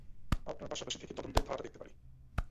আপনার পাশাপাশি থেকে তদন্তের ধারাটা দেখতে পারি।